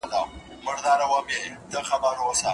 شاګرد د خپلو علمي مقالو د چاپولو هیله لري.